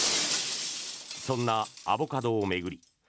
そんなアボカドを巡り